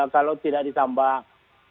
kalau tidak ditambah